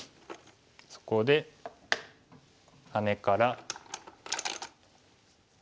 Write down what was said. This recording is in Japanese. そこでハネから。